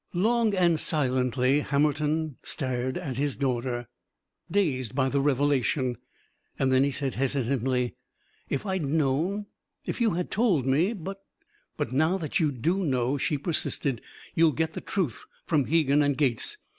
Long and silently Hammerton stared at his daughter, dazed by the revelation. Then he said, hesitantly: "If I'd known if you had told me but " "But now that you do know," she persisted, "you'll get the truth from Hegan and Gates?